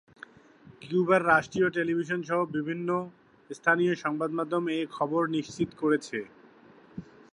কিউবার রাষ্ট্রীয় টেলিভিশনসহ বিভিন্ন স্থানীয় সংবাদমাধ্যম এ খবর নিশ্চিত করেছে।